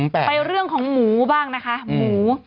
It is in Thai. ไปเรื่องของหมูบ้างนะคะหมู